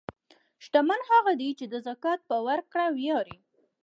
شتمن هغه دی چې د زکات په ورکړه ویاړي.